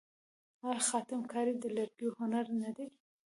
آیا خاتم کاري د لرګیو هنر نه دی؟